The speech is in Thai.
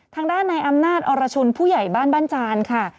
ทางด้านในอำนาจอรชุนผู้ใหญ่บ้านบ้านจานค่ะ